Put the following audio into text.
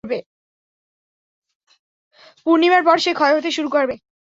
পূর্ণিমার পর সে ক্ষয় হতে শুরু করবে।